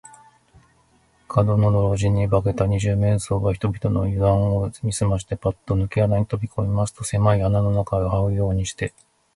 門野老人に化けた二十面相は、人々のゆだんを見すまして、パッとぬけ穴の中にとびこみますと、せまい穴の中をはうようにして、